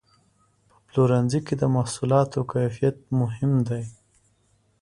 په پلورنځي کې د محصولاتو کیفیت مهم دی.